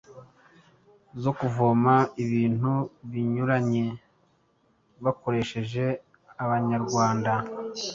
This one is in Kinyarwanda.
zo kuvoma ibintu binyuranye bakoresheje Abanyarwanda.